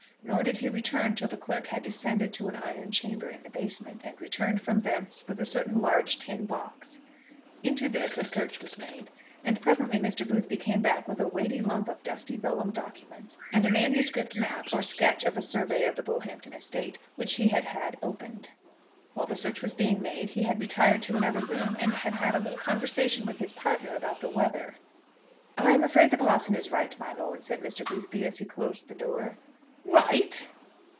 Nor did he return till the clerk had descended to an iron chamber in the basement, and returned from thence with a certain large tin box. Into this a search was made, and presently Mr. Boothby came back with a weighty lump of dusty vellum documents, and a manuscript map, or sketch of a survey of the Bullhampton estate, which he had had opened. While the search was being made he had retired to another room, and had had a little conversation with his partner about the weather. "I am afraid the parson is right, my lord," said Mr. Boothby, as he closed the door. "Right!"